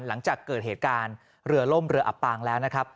หลังจากเกิดเหตุการณ์เรือล่มเรืออับปางแล้วนะครับ